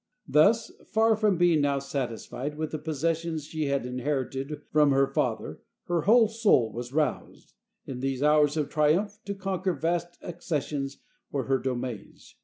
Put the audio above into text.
Thus, far from being now satisfied with the possessions she had inherited from her father, her whole soul was roused, in these hours of triumph, to conquer vast ac cessions for her domains.